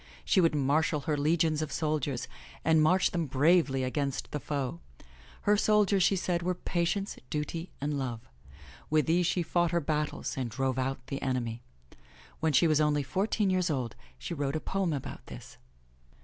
She would marshal her legions of soldiers and march them bravely against the foe. Her soldiers, she said, were Patience, Duty and Love. With these she fought her battles and drove out the enemy. When she was only fourteen years old she wrote a poem about this.